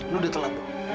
lu udah telat dong